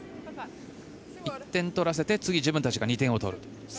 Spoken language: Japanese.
１点取らせて次、自分たちが２点を取る。